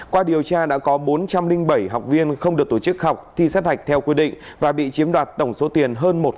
qua điều tra đã có bốn trăm linh bảy học viên không được tổ chức học thi sát hạch theo quy định và bị chiếm đoạt tổng số tiền hơn một chín tỷ đồng